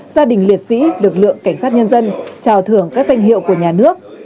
gia đình liệt sĩ lực lượng cảnh sát nhân dân trào thưởng các danh hiệu của nhà nước